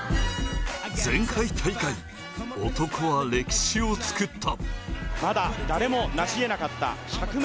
前回大会、男は歴史を作った。